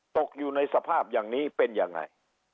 ตกอยู่ในสภาพอย่างนี้เป็นยังไง